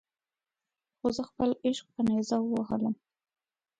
خو زه خپل عشق په نیزه ووهلم.